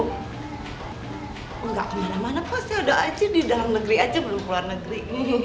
nggak kemana mana pasti ada aja di dalam negeri aja belum keluar negeri